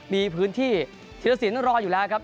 มีพื้นที่ธีรสินรออยู่แล้วครับ